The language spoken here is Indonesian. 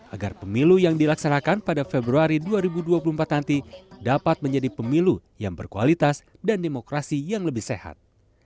agar pemilu yang dilaksanakan pada februari dua ribu dua puluh empat nanti dapat menjadi pemilu yang berkualitas dan demokrasi yang lebih sehat